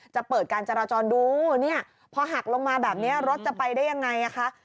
จะเปิดการจราจรดูเนี่ยพอหักลงมาแบบนี้รถจะไปได้ยังไงคะ